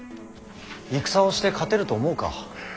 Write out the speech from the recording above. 戦をして勝てると思うか。